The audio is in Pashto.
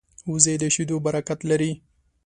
وزې د شیدو برکت لري